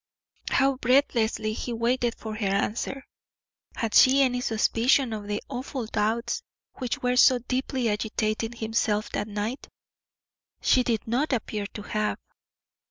How breathlessly he waited for her answer! Had she any suspicion of the awful doubts which were so deeply agitating himself that night? She did not appear to have.